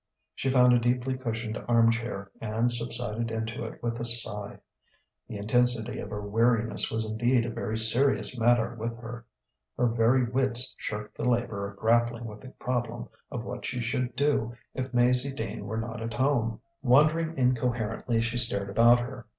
She found a deeply cushioned arm chair, and subsided into it with a sigh. The intensity of her weariness was indeed a very serious matter with her. Her very wits shirked the labour of grappling with the problem of what she should do if Maizie Dean were not at home.... Wondering incoherently, she stared about her.